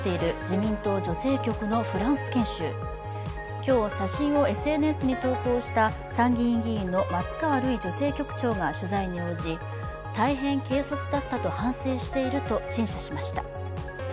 今日、写真をＳＮＳに投稿した参議院議員の松川るい女性局長が取材に応じ、取材に応じ、大変軽率だったと反省していると陳謝しました。